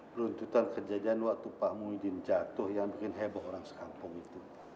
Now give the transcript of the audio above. peruntutan kejadian waktu pak muhyiddin jatuh yang bikin heboh orang sekampung itu